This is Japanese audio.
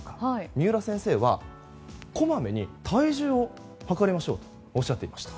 三浦先生はこまめに体重を量りましょうとおっしゃっていました。